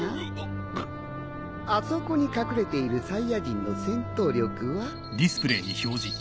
あそこに隠れているサイヤ人の戦闘力は。